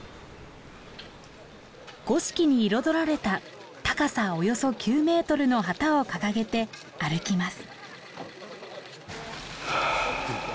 五色に彩られた高さおよそ９メートルの旗を掲げて歩きます。